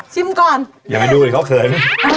ชิมก่อนอย่าไปดูเดี๋ยวเขาเขินอ๋อ